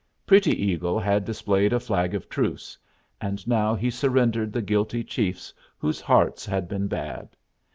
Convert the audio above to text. Pretty Eagle had displayed a flag of truce, and now he surrendered the guilty chiefs whose hearts had been bad.